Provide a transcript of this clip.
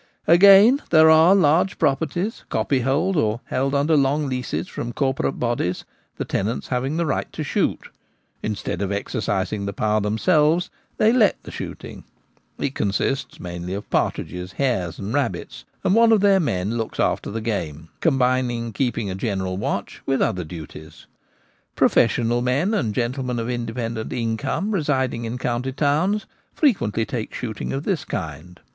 Again, there are large properties, copyhold, or held under long leases from corporate bodies, the tenants having the right to shoot Instead of exercising the power themselves, they let the shooting. It con sists mainly of partridges, hares, and rabbits; and 44 Ttte Gamekeeper at Home. one of their men looks after the game, combining the keeping a general watch with other duties. Pro fessional men and gentlemen of independent income residing in county towns frequently take shooting of this kind.